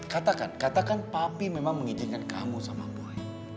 katakan katakan papi memang mengijinkan kamu sama boy